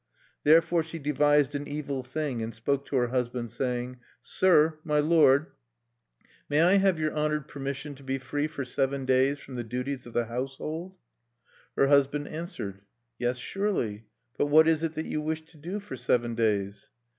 Therefore she devised an evil thing, and spoke to her husband, saying, "Sir, my lord, may I have your honored permission to be free for seven days from the duties of the household?" Her husband answered, "Yes, surely; but what is it that you wish to do for seven days?"